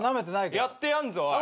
やってやんぞおい。